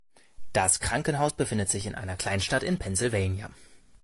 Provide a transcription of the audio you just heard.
Das Krankenhaus befindet sich in einer Kleinstadt in Pennsylvania.